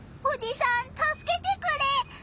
おじさんたすけてくれ！